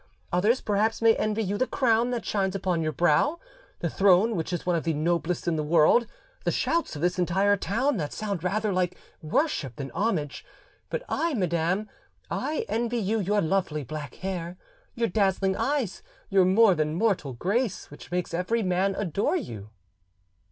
Others perhaps may envy you the crown that shines upon your brow, the throne which is one of the noblest in the world, the shouts of this entire town that sound rather like worship than homage; but I, madam, I envy you your lovely black hair, your dazzling eyes, your more than mortal grace, which make every man adore you."